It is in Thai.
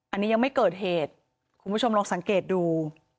อันนี้ยังไม่เกิดเหตุคุณผู้ชมลองสังเกตดู